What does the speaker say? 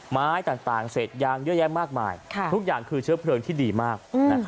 ไม้ต่างเศษยางเยอะแยะมากมายทุกอย่างคือเชื้อเพลิงที่ดีมาก